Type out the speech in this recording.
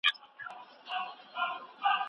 افغان ډاکټران په مهمو سیاسي چارو کي برخه نه اخلي.